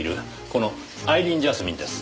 このアイリーンジャスミンです。